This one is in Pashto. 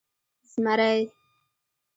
🦬 زمری